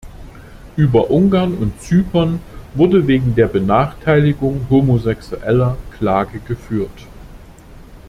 Über Ungarn und Zypern wurde wegen der Benachteiligung Homosexueller Klage geführt.